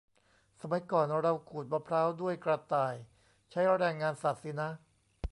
สมัยก่อนเราขูดมะพร้าวด้วยกระต่าย ใช้แรงงานสัตว์สินะ